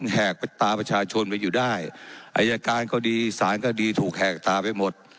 แหกตาประชาชนไปอยู่ได้อายการก็ดีสารก็ดีถูกแหกตาไปหมด